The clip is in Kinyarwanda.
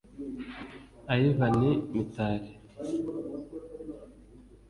Yvan Mitali